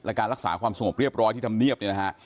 และการรักษาความสงบเรียบร้อยที่ทำเนียบเนี่ยนะฮะ